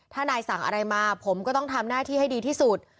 ถ้านายสั่งอะไรมาผมก็ต้องทำหน้าที่ให้ดีที่สุด